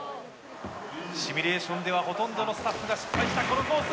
シミュレーションではほとんどのスタッフが失敗したこのコース。